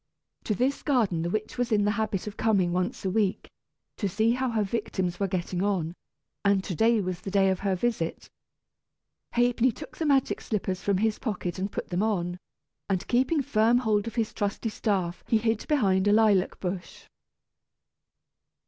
To this garden the witch was in the habit of coming once a week, to see how her victims were getting on, and to day was the day of her visit. Ha'penny took the magic slippers from his pocket and put them on; and keeping firm hold of his trusty staff he hid behind a lilac bush.